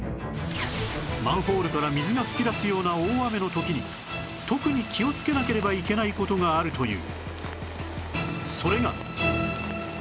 マンホールから水が噴き出すような大雨の時に特に気をつけなければいけない事があるという